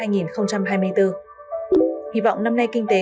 hy vọng năm nay kinh tế không bị bỏ lỡ